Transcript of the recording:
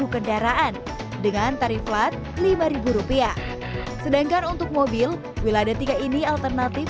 seribu kendaraan dengan tarif flat lima rupiah sedangkan untuk mobil ya ada tiga ini alternatif